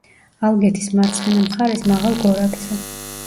ალგეთის მარცხენა მხარეს მაღალ გორაკზე.